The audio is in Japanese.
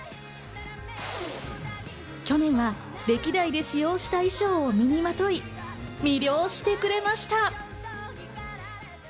去年は歴代で使用した衣装を身にまとい、魅了してくれました。